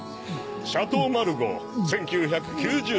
シャトー・マルゴー１９９０年。